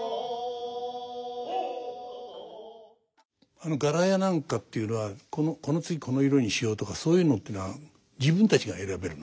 あの柄や何かっていうのは「この次この色にしよう」とかそういうのっていうのは自分たちが選べるの？